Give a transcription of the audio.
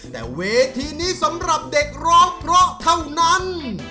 แต่เวทีนี้สำหรับเด็กร้องเพราะเท่านั้น